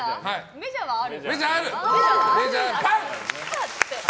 メジャーはある。